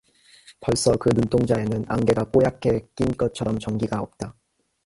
벌써 그 눈동자에는 안개가 뽀얗게 낀 것처럼 정기가 없다.